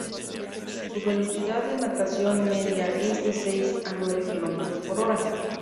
Su velocidad de natación media es de seis a nueve kilómetros por hora.